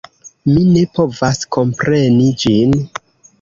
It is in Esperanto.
Mi ne povas kompreni ĝin